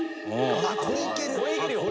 これいけるよ。